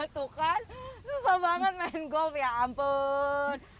tuh kan susah banget main golf ya ampun